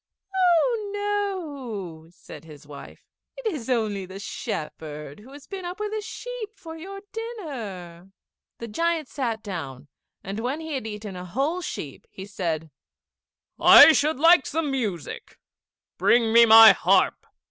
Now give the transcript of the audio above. "Oh no!" said his wife, "it is only the shepherd, who has been up with a sheep for your dinner." The giant sat down, and when he had eaten a whole sheep he said, "I should like some music; bring me my harp."